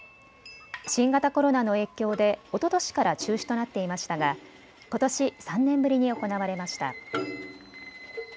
新型コロナの影響でおととしから中止となっていましたがことし３年ぶりに行われました。